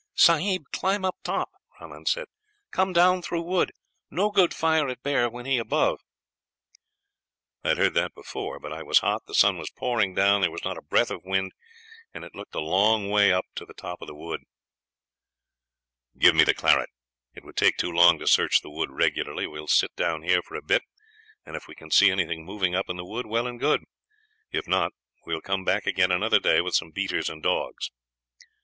"'Sahib, climb up top,' Rahman said; 'come down through wood; no good fire at bear when he above.' "I had heard that before; but I was hot, the sun was pouring down, there was not a breath of wind, and it looked a long way up to the top of the wood. "'Give me the claret. It would take too long to search the wood regularly. We will sit down here for a bit, and if we can see anything moving up in the wood, well and good; if not, we will come back again another day with some beaters and dogs.'